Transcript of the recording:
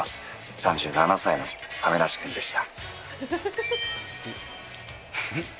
３７歳の亀梨君でした。